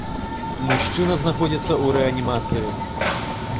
Мужчына знаходзіцца ў рэанімацыі.